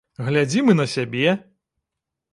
Глядзім і на сябе!